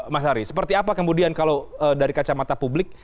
mas ari seperti apa kemudian kalau dari kacamata publik